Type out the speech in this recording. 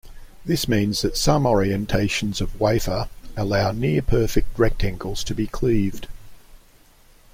This means that some orientations of wafer allow near-perfect rectangles to be cleaved.